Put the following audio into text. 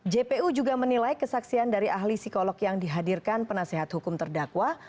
jpu juga menilai kesaksian dari ahli psikolog yang dihadirkan penasehat hukum terdakwa